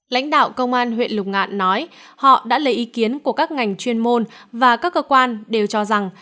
lãnh đạo công an huyện lục ngạn nói họ đã lấy ý kiến của các ngành chuyên môn và các cơ quan đều cho rằng